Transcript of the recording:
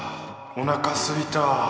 おなかすいたぁ。